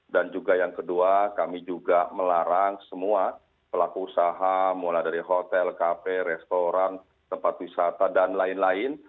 dan juga yang kedua kami juga melarang semua pelaku usaha mulai dari hotel kafe restoran tempat wisata dan lain lain